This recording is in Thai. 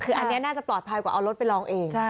คืออันนี้น่าจะปลอดภัยกว่าเอารถไปลองเอง